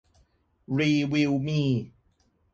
รีวิวมี